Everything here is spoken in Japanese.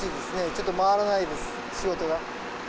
ちょっと回らないです、仕事が。